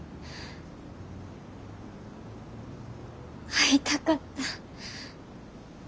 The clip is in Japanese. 会いたかった。